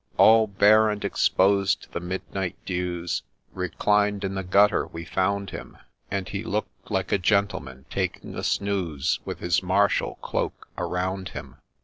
All bare, and exposed to the midnight dews. Reclined in the gutter we found him ; And he look'd like a gentleman taking a snooze, With his Marshall cloak around him.